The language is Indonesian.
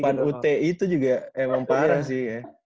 depan uti itu juga emang parah sih